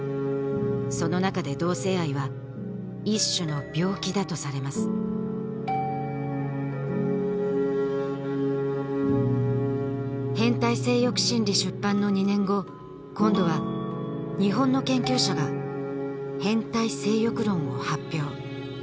その中で同性愛は一種の病気だとされます「変態性慾心理」出版の２年後今度は日本の研究者が「変態性慾論」を発表